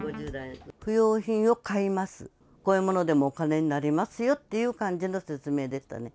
不用品を買います、こういうものでもお金になりますよっていう感じの勧めでしたね。